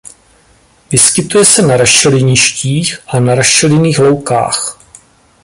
Vyskytuje se na rašeliništích a na rašelinných loukách.